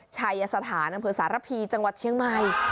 ชายสถานพฤษารพีจังหวัดเชียงใหม่